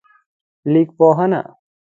لیکپوهنه